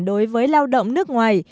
đối với lao động nước ngoài